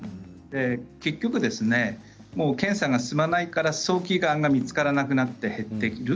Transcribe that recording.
結局検査が進まないから早期がんが見つからなくなって減っている。